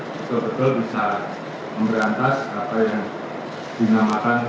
betul betul bisa memberantas apa yang dinamakan